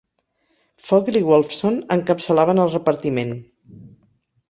Fogel i Wolfson encapçalaven el repartiment.